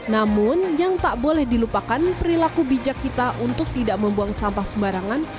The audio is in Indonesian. namun yang tak boleh dilupakan perilaku bijak kita untuk tidak membuang sampah sembarangan